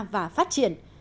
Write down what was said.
và phát triển